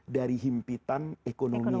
dari himpitan ekonomi